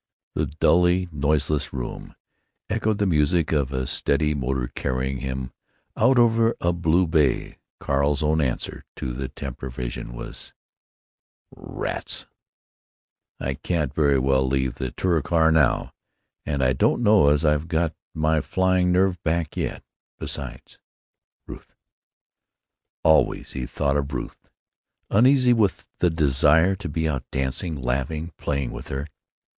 The dully noiseless room echoed the music of a steady motor carrying him out over a blue bay. Carl's own answer to the tempter vision was: "Rats! I can't very well leave the Touricar now, and I don't know as I've got my flying nerve back yet. Besides, Ruth——" Always he thought of Ruth, uneasy with the desire to be out dancing, laughing, playing with her.